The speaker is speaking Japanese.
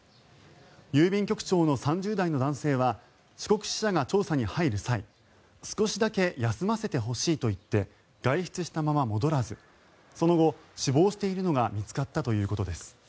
郵便局長の３０代の男性は四国支社が調査に入る際少しだけ休ませてほしいと言って外出したまま戻らずそのまま死亡しているのが見つかったということです。